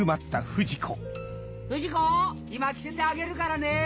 不二子今着せてあげるからね！